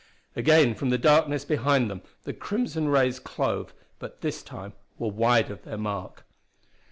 Again from the darkness behind them the crimson rays clove, but this time were wide of their mark.